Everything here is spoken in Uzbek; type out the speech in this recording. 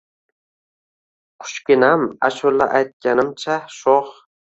Qushginam, ashula aytganimcha sho‘x